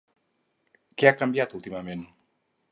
Què ha canviat últimament?